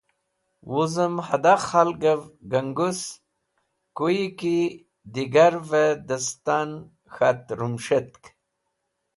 Wuzẽm hada khalgev gangus kuyvẽ ki degarvẽ destan k̃hat rũmũs̃hẽt.